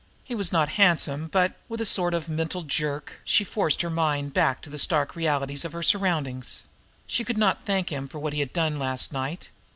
He was not handsome, but with a sort of mental jerk, she forced her mind back to the stark realities of her surroundings. She could not thank him for what he had done last night.